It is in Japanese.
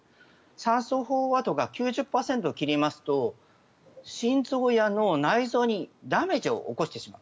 酸素飽和度が９０％を切りますと心臓や脳、内臓にダメージを起こしてしまう。